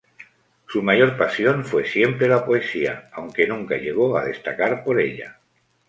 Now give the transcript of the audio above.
Su mayor pasión fue siempre la poesía, aunque nunca llegó a destacar por ella.